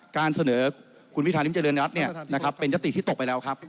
การเสนอคุณพิธาริมเจริญรัฐเป็นยติที่ตกไปแล้วครับ